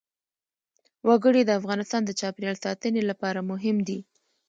وګړي د افغانستان د چاپیریال ساتنې لپاره مهم دي.